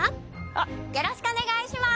あっよろしくお願いしまー